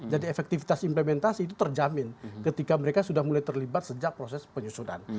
jadi efektivitas implementasi itu terjamin ketika mereka sudah mulai terlibat sejak proses penyusunan